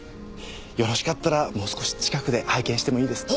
よろしかったらもう少し近くで拝見してもいいですか？